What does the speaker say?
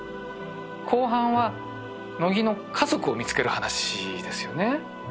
後半は乃木の家族を見つける話ですよね